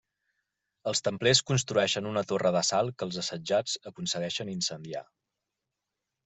Els templers construeixen una torre d'assalt que els assetjats aconsegueixen incendiar.